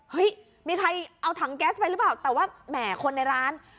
เฮ้ยมีใครเอาถังแก๊สไปหรือเปล่าแต่ว่าแหมคนในร้าน